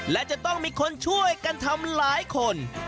และจะต้องมีคนช่วยกันทำหลายคน